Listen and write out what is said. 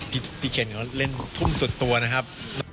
พี่เคนเขาเล่นทุ่มสุดตัวนะครับ